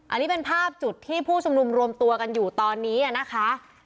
อันนี้เป็นภาพจุดที่ผู้ชุมนุมรวมตัวกันอยู่ตอนนี้นะคะ